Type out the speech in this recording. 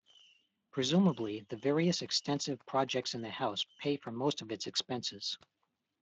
Presumably the various extensive projects in the house pay for most of its expenses.